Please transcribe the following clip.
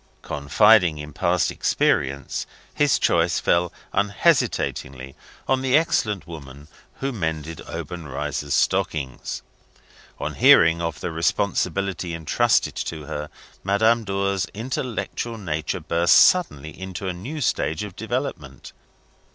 Confiding in past experience, his choice fell unhesitatingly upon the excellent woman who mended Obenreizer's stockings. On hearing of the responsibility entrusted to her, Madame Dor's intellectual nature burst suddenly into a new stage of development.